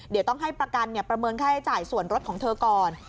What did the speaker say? เดี๋ยวต้องให้ประกันประเมินค่าใช้จ่ายส่วนรถของเธอก่อน